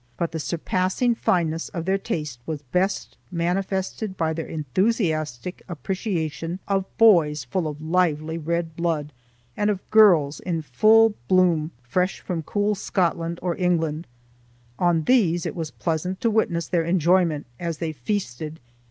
But the surpassing fineness of their taste was best manifested by their enthusiastic appreciation of boys full of lively red blood, and of girls in full bloom fresh from cool Scotland or England. On these it was pleasant to witness their enjoyment as they feasted.